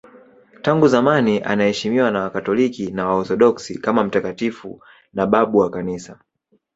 Tangu zamani anaheshimiwa na Wakatoliki na Waorthodoksi kama mtakatifu na babu wa Kanisa.